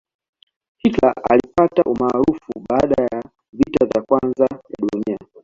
hitler alipata umaarufu baada ya vita vya kwanza ya dunia